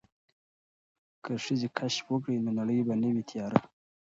که ښځې کشف وکړي نو نړۍ به نه وي تیاره.